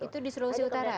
itu di sulawesi utara